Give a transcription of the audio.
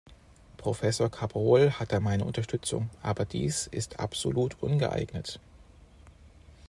Professor Cabrol hat da meine Unterstützung, aber dies ist absolut ungeeignet.